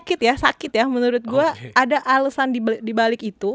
literally sakit ya menurut gue ada alesan dibalik itu